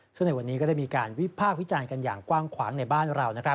ซึ่งในวันนี้ก็ได้มีการวิพากษ์วิจารณ์กันอย่างกว้างขวางในบ้านเรา